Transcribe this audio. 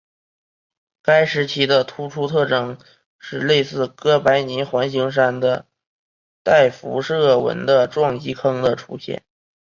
该时期的突出特征就是类似哥白尼环形山的带辐射纹的撞击坑的出现。